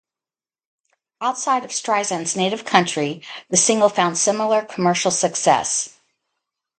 Outside of Streisand's native country, the single found similar commercial success.